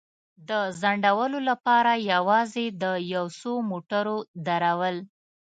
د ځنډولو لپاره یوازې د یو څو موټرو درول.